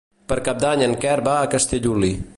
Per Cap d'Any en Quer va a Castellolí.